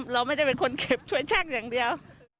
เราไม่ได้เป็นคนเก็บช่วยช่างอย่างเดียว